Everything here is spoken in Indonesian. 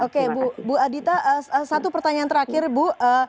oke bu adita satu pertanyaan terakhir bu